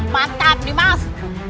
mantap nih mas